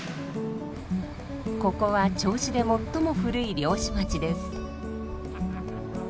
ここは銚子で最も古い漁師町です。